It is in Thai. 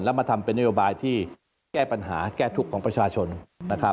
แล้วมาทำเป็นนโยบายที่แก้ปัญหาแก้ทุกข์ของประชาชนนะครับ